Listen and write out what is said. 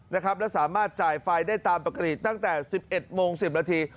และสามารถจ่ายไฟได้ตามปกติตั้งแต่๑๑โมง๑๐นาที